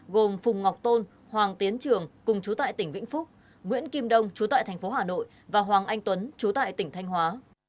gồm phùng ngọc tôn hoàng tiến trường cùng chú tại tỉnh vĩnh phúc nguyễn kim đông chú tại thành phố hà nội và hoàng anh tuấn chú tại tỉnh thanh hóa